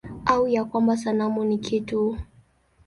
Au ya kwamba sanamu ni kitu?